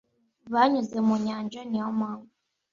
Banyuze munyanja niyo mpamvu